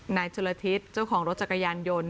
หนักจุฬาธิตรรถจักรยานยนทร